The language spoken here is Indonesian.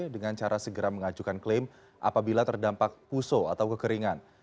dengan cara segera mengajukan klaim apabila terdampak puso atau kekeringan